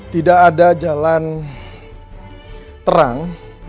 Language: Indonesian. tidak ada jalan terang